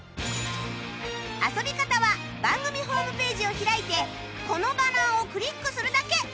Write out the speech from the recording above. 遊び方は番組ホームページを開いてこのバナーをクリックするだけ